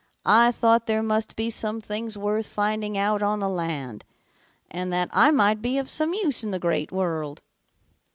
I thought there must be some things worth finding out on the land, and that I might be of some use in the Great World.'